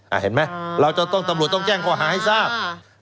เห็นไหมเราจะต้องตำรวจต้องแจ้งข้อหาให้ทราบ